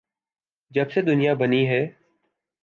جب سے دنیا بنی ہے۔